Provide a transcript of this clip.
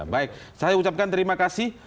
baik saya ucapkan terima kasih